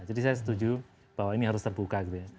jadi saya setuju bahwa ini harus terbuka gitu ya